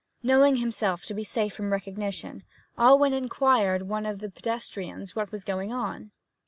Knowing himself to be safe from recognition, Alwyn inquired of one of these pedestrians what was going on.